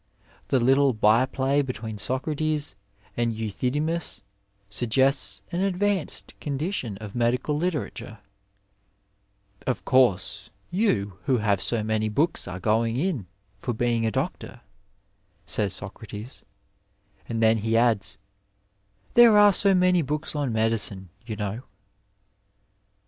The little by play between Socrates and Euthydemus suggests an advanced condition of medical literature :^' Of course, you who have so many books are going in for being a doctor," says Socrates, and then he adds, " there are so many books on medicine, you know."